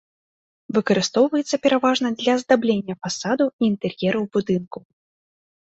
Выкарыстоўваецца пераважна для аздаблення фасадаў і інтэр'ераў будынкаў.